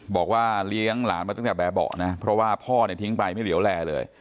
บอกว่าเลี้ยงหลานมาตั้งแต่แบบเบาะนะเพราะว่าพ่อเนี่ยทิ้งไปไม่เหลวแลเลย